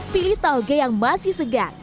pilih tauge yang masih segar